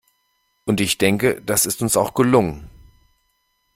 Und ich denke, das ist uns auch gelungen.